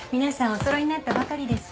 お揃いになったばかりです。